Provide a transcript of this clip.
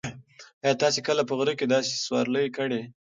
ایا تاسي کله په غره کې د اس سورلۍ کړې؟